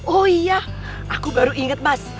oh iya aku baru inget mas